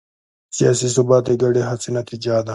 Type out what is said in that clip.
سیاسي ثبات د ګډې هڅې نتیجه ده